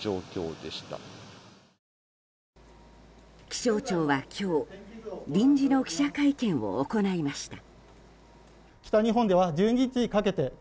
気象庁は今日臨時の記者会見を行いました。